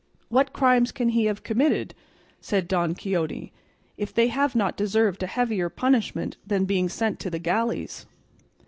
"What crimes can he have committed," said Don Quixote, "if they have not deserved a heavier punishment than being sent to the galleys?"